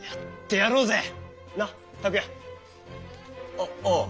あああ！